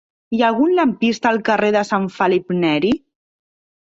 Hi ha algun lampista al carrer de Sant Felip Neri?